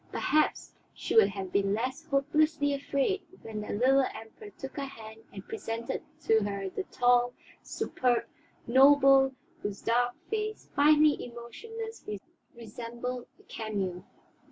Perhaps she would have been less hopelessly afraid when the little Emperor took her hand and presented to her the tall, superb noble whose dark face, finely emotionless, resembled a cameo.